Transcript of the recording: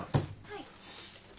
はい。